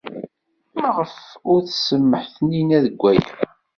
Maɣef ay tsemmeḥ Taninna deg waya?